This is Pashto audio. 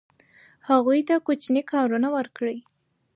هغوی ته کوچني کارونه ورکړئ.